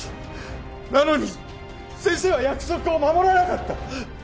なのに先生は約束を守らなかった！